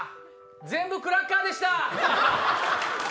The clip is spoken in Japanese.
全部クラッカーでした。